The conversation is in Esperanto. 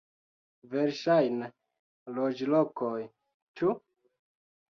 Verŝajne, loĝlokoj, ĉu?